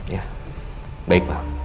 ya baik pak